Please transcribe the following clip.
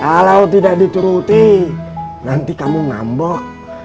kalau tidak dituruti nanti kamu ngambok